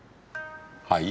はい？